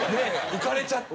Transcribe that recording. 浮かれちゃって。